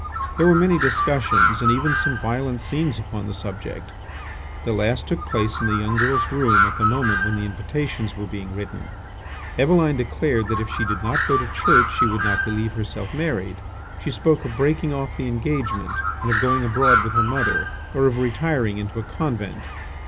There were many discussions and even some violent scenes upon the subject. The last took place in the young girl's room at the moment when the invitations were being written. Eveline declared that if she did not go to church she would not believe herself married. She spoke of breaking off the engagement, and of going abroad with her mother, or of retiring into a convent.